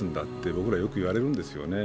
僕らよく言われるんですよね。